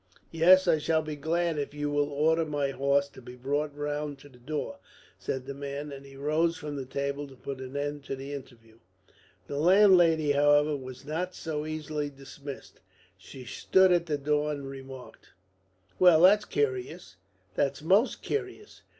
"Yes. I shall be glad if you will order my horse to be brought round to the door," said the man; and he rose from the table to put an end to the interview. The landlady, however, was not so easily dismissed. She stood at the door and remarked: "Well, that's curious that's most curious.